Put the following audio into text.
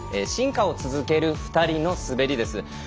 「進化を続ける２人の滑り」です。